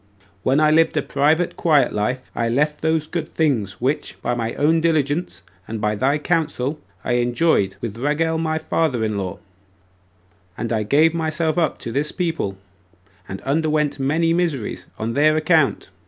When I lived a private quiet life, I left those good things which, by my own diligence, and by thy counsel, I enjoyed with Raguel my father in law; and I gave myself up to this people, and underwent many miseries on their account.